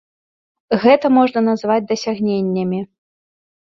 Гэта можна назваць дасягненнямі.